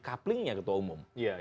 couplingnya ketua umum